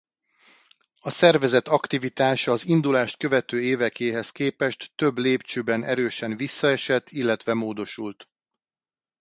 A szervezet aktivitása az indulást követő évekéhez képest több lépcsőben erősen visszaesett illetve módosult.